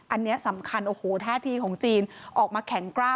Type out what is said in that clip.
อันนี้สำคัญโอ้โหท่าทีของจีน